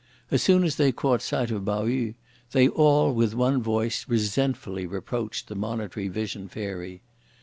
As soon as they caught sight of Pao yü, they all, with one voice, resentfully reproached the Monitory Vision Fairy.